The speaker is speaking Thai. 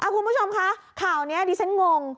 คุณผู้ชมคะข่าวนี้ดิฉันงง